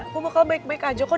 kamu bakal baik baik aja kok